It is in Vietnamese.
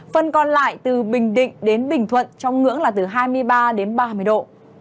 phần còn lại từ bình định đến bình thuận trong ngưỡng là từ hai mươi ba đến ba mươi độ